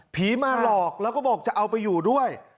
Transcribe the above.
มาหลอกแล้วก็บอกจะเอาไปอยู่ด้วย